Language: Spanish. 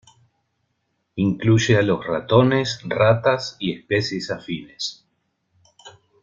Incluye a los ratones, ratas y especies afines.